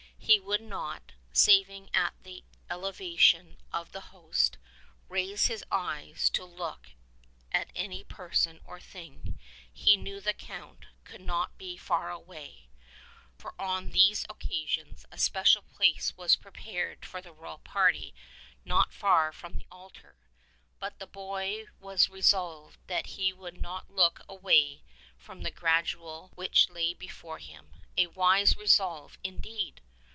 He would not, saving at the Elevation of the Host, raise his eyes to look at any person or thing. He knew the Count could not be far away, for on these occasions a special place was prepared for the royal party not far from the altar; but the boy was resolved that he would not look away from the gradual which lay before him. A wise resolve, indeed!